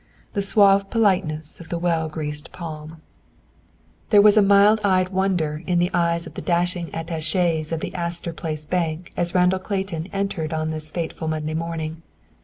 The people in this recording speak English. The suave politeness of the well greased palm. There was a mild eyed wonder in the eyes of the dashing attaches of the Astor Place Bank as Randall Clayton entered on this fateful Monday morning.